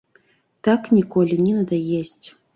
Так ніколі не надаесць.